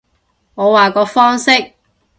我話個方式